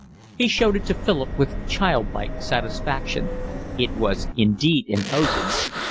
He showed it to Philip with child like satisfaction. It was indeed imposing.